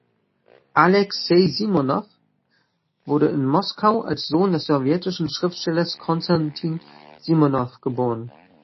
Alexei Simonow wurde in Moskau als Sohn des sowjetischen Schriftstellers Konstantin Simonow geboren.